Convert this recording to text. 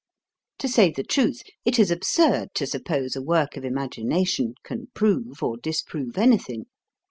To say the truth, it is absurd to suppose a work of imagination can prove or disprove anything.